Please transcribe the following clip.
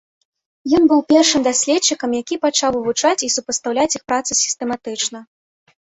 Ён быў першым даследчыкам, які пачаў вывучаць і супастаўляць іх працы сістэматычна.